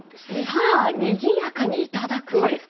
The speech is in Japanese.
「さあにぎやかにいただく」ですか。